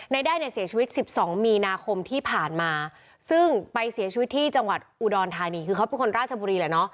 แด้เนี่ยเสียชีวิต๑๒มีนาคมที่ผ่านมาซึ่งไปเสียชีวิตที่จังหวัดอุดรธานีคือเขาเป็นคนราชบุรีแหละเนาะ